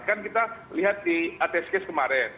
kan kita lihat di atas kes kemarin